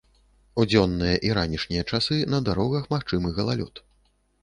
У дзённыя і ранішнія часы на дарогах магчымы галалёд.